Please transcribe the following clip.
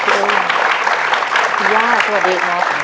พี่ย้าสวัสดี